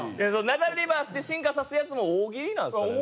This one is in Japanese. ナダルリバースで進化さすやつも大喜利なんですかね。